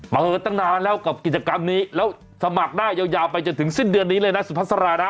เปิดตั้งนานแล้วกับกิจกรรมนี้แล้วสมัครได้ยาวไปจนถึงสิ้นเดือนนี้เลยนะสุพัสรานะ